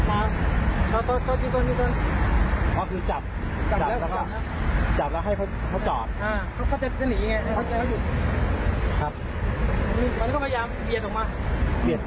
มันก็พยายามเบียดออกมาเบียดตัวพี่ใช่ไหมใช่ครับพี่